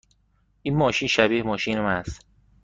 این ماشین شبیه ماشین من است.